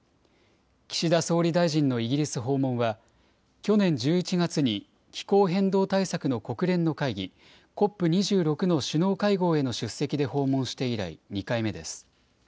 岸田総理大臣のイギリス訪問は、去年１１月に、気候変動対策の国連の会議、ＣＯＰ２６の首脳会合への出席で訪問して以来、２回目です。